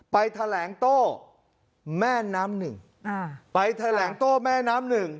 ไปแถลงโต้แม่น้ำหนึ่งไปแถลงโต้แม่น้ำหนึ่ง